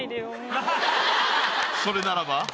それならば。